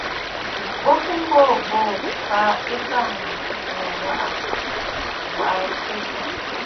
Bo fu mboo mboo, kaa ɨ̀bɔ̀ŋ ɨ waʼa waa tiʼì.